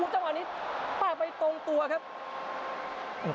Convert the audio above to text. จังหวะนี้ป้าไปตรงตัวครับ